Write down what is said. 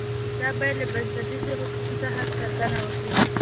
دا باید له بنسټیزو حقوقو څخه ساتنه وکړي.